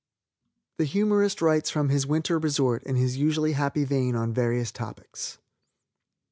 THE HUMORIST WRITES FROM HIS WINTER RESORT IN HIS USUALLY HAPPY VEIN ON VARIOUS TOPICS.